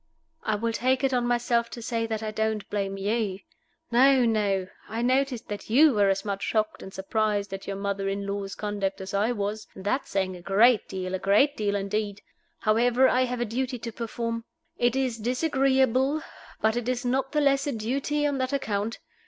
I will take it on myself to say that I don't blame you. No, no. I noticed that you were as much shocked and surprised at your mother in law's conduct as I was; and that is saying a great deal a great deal indeed. However, I have a duty to perform. It is disagreeable, but it is not the less a duty on that account.